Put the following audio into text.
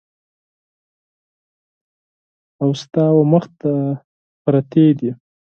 او ستا ومخ ته پرتې دي !